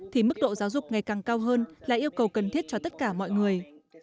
thì mức độ giáo dục ngày càng cao hơn là yêu cầu cần thiết cho tất cả mọi người